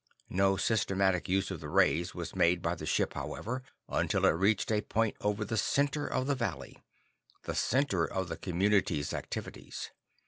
No systematic use of the rays was made by the ship, however, until it reached a point over the center of the valley the center of the community's activities.